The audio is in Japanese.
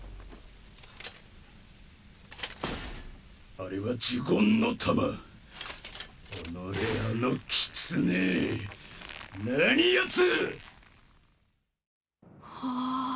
あれは呪言の玉おのれあのキツネ何ヤツ！